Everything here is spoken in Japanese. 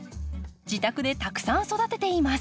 自宅でたくさん育てています。